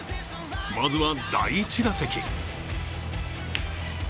まずは第１打席。